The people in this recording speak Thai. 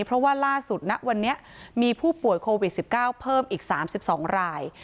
เพราะว่าล่าสุดณวันนี้มีผู้ป่วยโควิด๑๙เพิ่มอีก๓๒ราย